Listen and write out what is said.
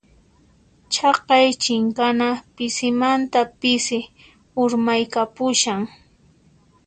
Chaqay chinkana pisimanta pisi urmaykapushan.